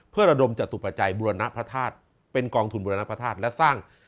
เพื่อระดมจตุปัจจัยบุรณพระธาตุเป็นกองทุนบุรณพระธาตุและสร้าง